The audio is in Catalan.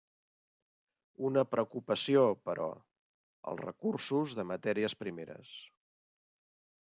Una preocupació, però: els recursos de matèries primeres.